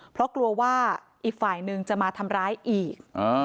เพราะกลัวว่าอีกฝ่ายหนึ่งจะมาทำร้ายอีก